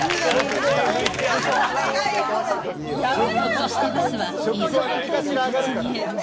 そしてバスは、伊豆半島に突入。